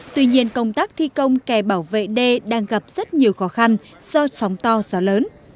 tuy nhiên công tác thi công kè bảo vệ đê đang gặp rất nhiều khó khăn do sóng to gió lớn